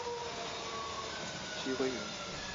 郗恢人。